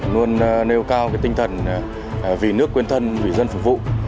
luôn nêu cao tinh thần vì nước quên thân vì dân phục vụ